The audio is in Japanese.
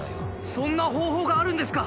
そんな方法があるんですか？